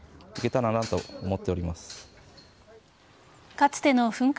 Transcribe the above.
かつての噴火